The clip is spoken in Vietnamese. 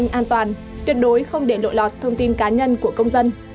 thông tin an toàn tuyệt đối không để lội lọt thông tin cá nhân của công dân